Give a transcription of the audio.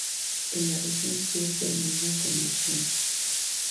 En la región sur termina con Luzón.